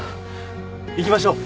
行きましょう。